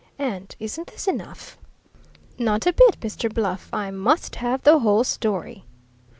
And isn't this enough?" "Not a bit, Mr. Bluff. I must have the whole story."